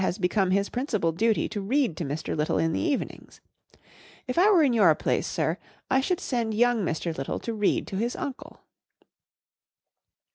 Wodehouse 401 has become his principal duty to read to Air* Little in the evenings. If I were in your place, sir, I should send young Mr. Little to read to his uncle.''